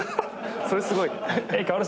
それすごいね。